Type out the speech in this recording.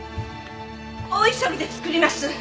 大急ぎで作ります。